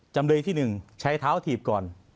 จำเลยที่๑ใช้เท้าถีบก่อน